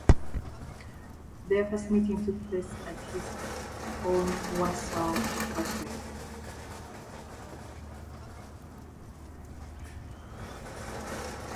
Their first meeting took place at his own Warsaw apartment.